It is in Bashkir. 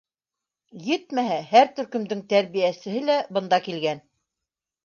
Етмәһә, һәр төркөмдөң тәрбиәсеһе лә бында килгән.